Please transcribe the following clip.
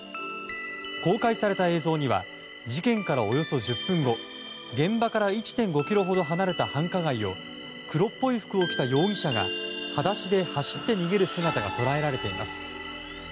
公開された映像には事件からおよそ１０分後現場から１．５ｋｍほど離れた繁華街を黒っぽい服を着た容疑者が裸足で走って逃げる姿が捉えられています。